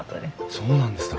そうなんでしたか。